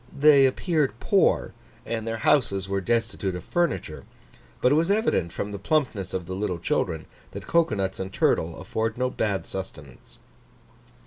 They appeared poor, and their houses were destitute of furniture; but it was evident, from the plumpness of the little children, that cocoa nuts and turtle afford no bad sustenance.